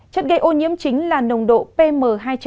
chất gây ô nhiễm chính là nồng độ pm hai năm